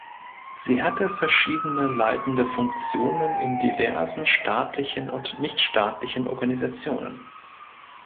Sie hatte verschiedene leitende Funktionen in diversen staatlichen und nichtstaatlichen Organisationen.